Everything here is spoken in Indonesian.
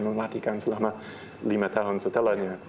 mematikan selama lima tahun setelahnya